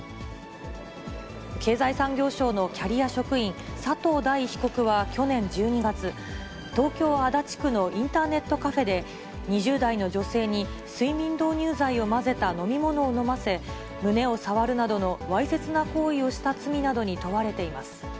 経済産業省のキャリア職員、佐藤大被告は去年１２月、東京・足立区のインターネットカフェで２０代の女性に、睡眠導入剤を混ぜた飲み物を飲ませ、胸を触るなどのわいせつな行為をした罪などに問われています。